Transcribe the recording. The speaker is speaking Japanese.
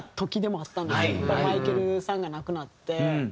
やっぱりマイケルさんが亡くなって。